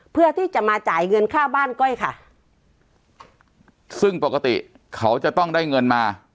เพื่อที่จะมาจ่ายเงินค่าบ้านก้อยค่ะซึ่งปกติเขาจะต้องได้เงินมา